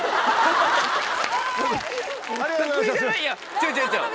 違う違う違う。